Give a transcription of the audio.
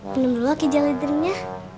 minum dulu lagi jalan jalannya